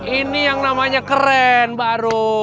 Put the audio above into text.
ini yang namanya keren baru